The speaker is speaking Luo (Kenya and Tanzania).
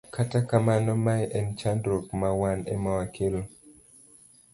Kata kamano, mae en chandruok ma wan ema wakelo.